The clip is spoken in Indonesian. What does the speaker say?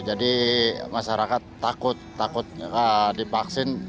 jadi masyarakat takut takut dipaksin